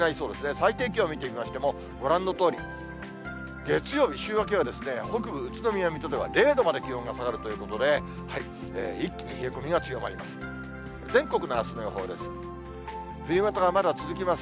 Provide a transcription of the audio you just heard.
最低気温見てみましても、ご覧のとおり、月曜日、週明けは北部宇都宮、水戸では０度まで気温が下がるということで、一気に冷え込みが強まります。